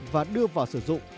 và đưa vào sử dụng